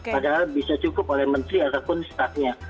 padahal bisa cukup oleh menteri ataupun staff nya